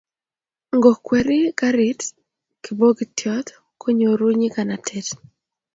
Ngokweri garit kibogitiot konyoru nyikanatet